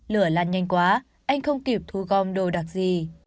lửa lan nhanh quá anh không kịp thu gom đồ đạc gì